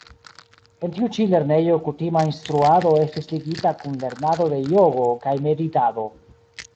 En tiu ĉi lernejo kutima instruado estis ligita kun lernado de jogo kaj meditado.